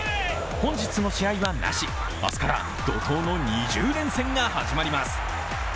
本日の試合はなし、明日から怒とうの２０連戦が始まります。